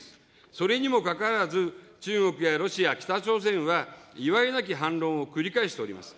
それにもかかわらず、中国やロシア、北朝鮮は、いわれなき反論を繰り返しております。